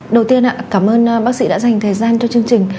đầu tiên cảm ơn bác sĩ đã dành thời gian cho chương trình